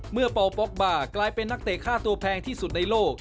เป่าป๊อกบาร์กลายเป็นนักเตะค่าตัวแพงที่สุดในโลก